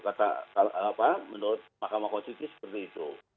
kata apa menurut mahkamah konstitusi seperti itu